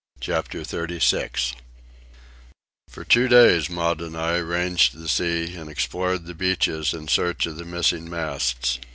CHAPTER XXXVI For two days Maud and I ranged the sea and explored the beaches in search of the missing masts.